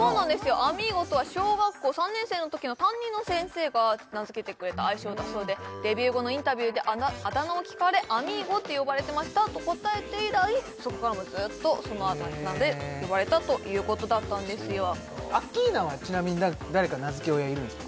アミーゴとは小学校３年生のときの担任の先生が名付けてくれた愛称だそうでデビュー後のインタビューであだ名を聞かれアミーゴって呼ばれてましたと答えて以来そこからもずっとそのあだ名で呼ばれたということだったんですよアッキーナはちなみに誰か名付け親いるんですか？